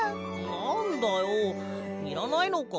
なんだよいらないのか？